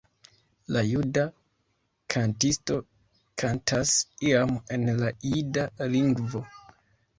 La juda kantisto kantas iam en la jida lingvo.